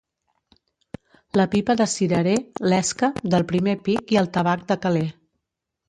La pipa de cirerer, l'esca, del primer pic i el tabac de calé.